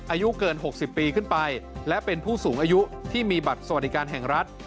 อายุเกิน๖๐ปีขึ้นไปและเป็นผู้สูงอายุที่มีบัตรสวัสดิการแห่งรัฐ